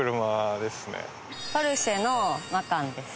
ポルシェのマカンです。